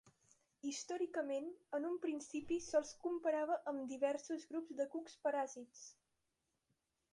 Històricament, en un principi se'ls comparava amb diversos grups de cucs paràsits.